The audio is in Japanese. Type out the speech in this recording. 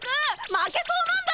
負けそうなんだ！